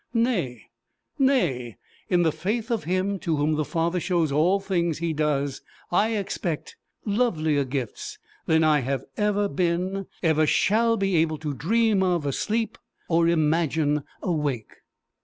Nay, nay! In the faith of him to whom the Father shows all things he does, I expect lovelier gifts than I ever have been, ever shall be able to dream of asleep, or imagine awake.